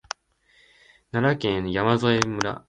奈良県山添村